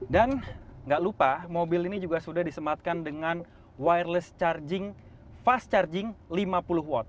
dan nggak lupa mobil ini juga sudah disematkan dengan wireless charging fast charging lima puluh watt